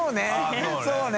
そうね！